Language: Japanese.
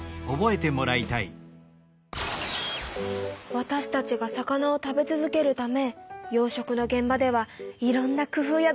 わたしたちが魚を食べ続けるため養しょくのげん場ではいろんな工夫や努力をしているのね。